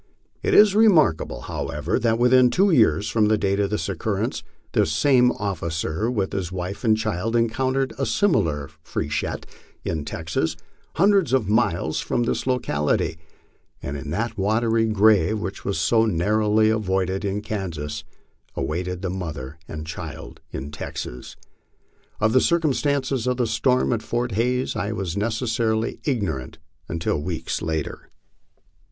It is remarkable, however, that within two years from the date of this occurrence, this same officer with his wife and child encountered a similar freshet in Texas, hundreds of miles from this locality, and that the watery grave which was so narrowly avoided in Kansas awaited the mother and child in Texas. Of the circumstances of the storm at Fort Hays I was necessarily ignorant until weeks later.